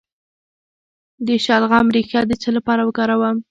د شلغم ریښه د څه لپاره وکاروم؟